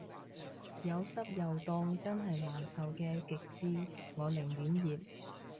有濕又凍真係難受嘅極致，我寧願熱